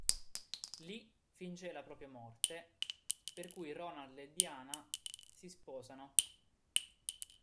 Lì finge la propria morte, per cui Ronald e Diana si sposano.